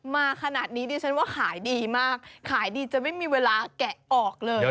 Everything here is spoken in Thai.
มาขนาดนี้ดิฉันว่าขายดีมากขายดีจะไม่มีเวลาแกะออกเลย